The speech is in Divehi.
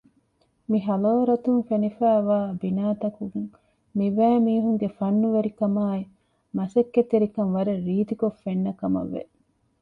މި ޙާޟާރަތުން ފެނިފައިވާ ބިނާތަކުން މި ބައި މީހުންގެ ފަންނުވެރިކަމާއ މަސައްކަތްތެރިކަން ވަރަށް ރީތިކޮށް ފެންނަކަމަށްވެ